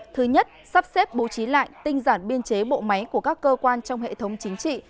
thứ nhất sắp xếp bố trí lại tinh giản biên chế bộ máy của các cơ quan trong hệ thống chính trị